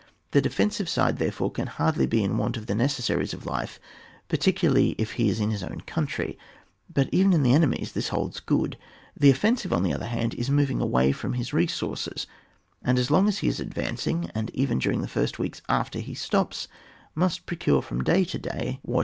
The defensive side therefore can hardly be in want of the necessaries of life, particularly if he is in his own country; but even in the enemy's this holds good. The offensive on the other hand is moving away from his resources, and as long as he is advancing, and even during the first weeks after he stops, must procure from day to day what 54 ON WAR.